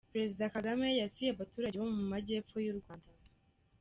Perezida Kagame yasuye abaturage bo mumajyepfo y’urwanda